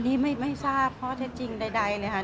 วันนี้ไม่ทราบเพราะเทศจริงใดเลยค่ะ